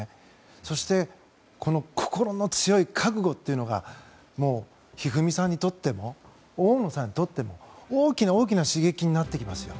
そしてこの心の強い覚悟というのが一二三さんにとっても大野さんにとっても大きな大きな刺激になってきますよ。